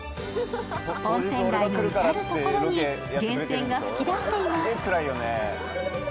温泉街の至る所に源泉が噴き出しています。